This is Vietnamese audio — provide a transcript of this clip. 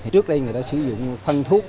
trước đây người ta sử dụng phân thuốc